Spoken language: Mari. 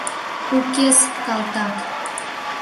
Укес, калтак!